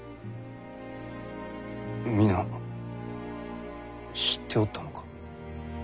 皆知っておったのか？